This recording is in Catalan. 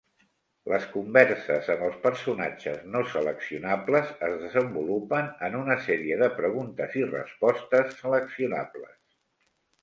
Les converses amb els personatges no seleccionables es desenvolupen en una sèrie de preguntes i respostes seleccionables.